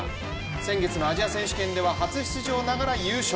先月のアジア選手権では初出場ながら優勝。